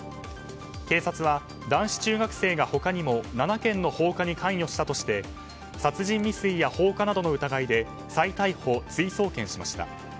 警察は男子中学生が他にも７件の放火に関与したとして殺人未遂や放火などの疑いで再逮捕・追送検しました。